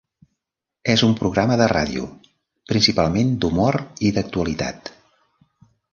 És un programa de ràdio principalment d'humor i d'actualitat.